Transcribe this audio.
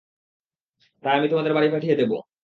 তাই আমি তোমাদের বাড়ি পাঠিয়ে দেবো।